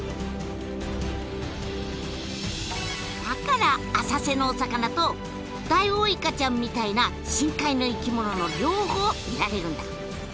だから浅瀬のお魚とダイオウイカちゃんみたいな深海の生き物の両方見られるんだ。